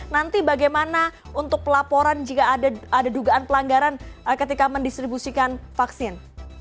nanti bagaimana untuk pelaporan jika ada dugaan pelanggaran ketika mendistribusikan vaksin